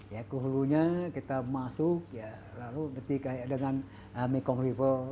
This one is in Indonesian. ya ke hulunya kita masuk ya lalu ketika ya dengan mekong river